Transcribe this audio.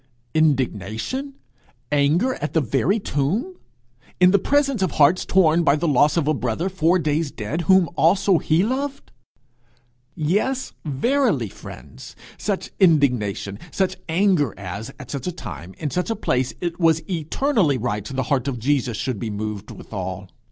Indignation anger at the very tomb! in the presence of hearts torn by the loss of a brother four days dead, whom also he loved! Yes, verily, friends! such indignation, such anger as, at such a time, in such a place, it was eternally right the heart of Jesus should be moved withal.